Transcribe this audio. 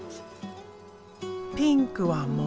ピンクは桃。